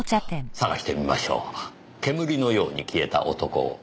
捜してみましょう煙のように消えた男を。